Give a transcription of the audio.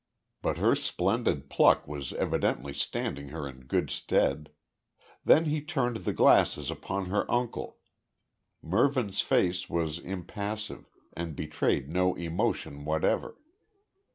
But her splendid pluck was evidently standing her in good stead. Then he turned the glasses upon her uncle. Mervyn's face was impassive, and betrayed no emotion whatever.